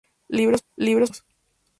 Libros póstumos